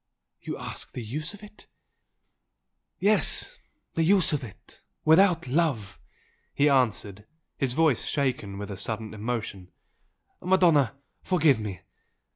You ask the use of it? " "Yes the use of it without love!" he answered, his voice shaken with a sudden emotion "Madonna, forgive me!